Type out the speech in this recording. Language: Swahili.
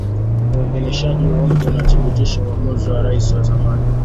Uidhinishaji huo mpya unabatilisha uamuzi wa Rais wa zamani